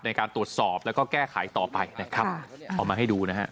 ในการตรวจสอบแล้วก็แก้ไขต่อไปนะครับเอามาให้ดูนะฮะ